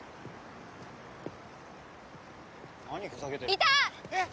いた！